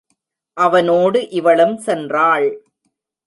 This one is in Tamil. அவனோடு இவளும் சென்றாள்.